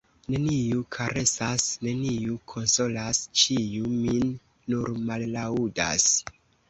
Neniu karesas, neniu konsolas, ĉiu min nur mallaŭdas.